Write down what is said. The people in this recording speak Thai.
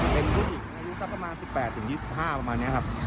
เป็นผู้หญิงอายุสักประมาณ๑๘๒๕ประมาณนี้ครับ